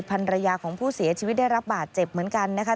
ภรรยาของผู้เสียชีวิตได้รับบาดเจ็บเหมือนกันนะคะ